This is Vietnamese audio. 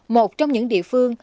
một trong những địa phương